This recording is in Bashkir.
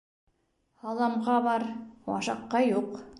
Һаламға бар, башаҡҡа юҡ.